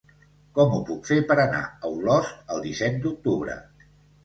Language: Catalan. Com ho puc fer per anar a Olost el disset d'octubre?